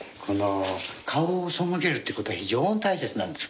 顔をそむけるということが非常に大切なんです。